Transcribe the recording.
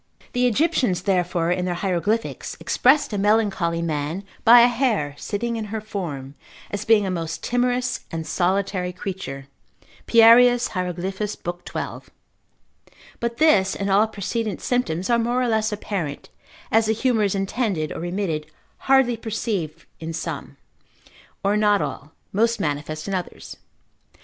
The Egyptians therefore in their hieroglyphics expressed a melancholy man by a hare sitting in her form, as being a most timorous and solitary creature, Pierius Hieroglyph. l. 12. But this, and all precedent symptoms, are more or less apparent, as the humour is intended or remitted, hardly perceived in some, or not all, most manifest in others.